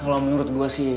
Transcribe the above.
ya kalau menurut gua sih